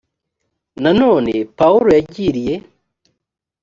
nanone pawulo yagiriye